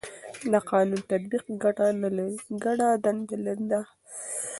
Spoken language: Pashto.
د قانون تطبیق ګډه دنده ده